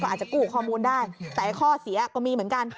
อาจจะกู้ข้อมูลได้แต่ข้อเสียก็มีเหมือนกัน